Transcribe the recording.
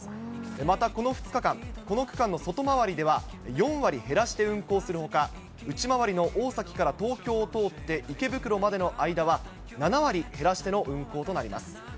またこの２日間、この区間の外回りでは、４割減らして運行するほか、内回りの大崎から東京を通って池袋までの間は、７割減らしての運行となります。